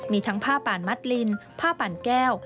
มีทั้งผ้าปั่นมัดลินผ้าปั่นแก้ว